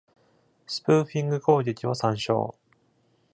スプーフィング攻撃を参照。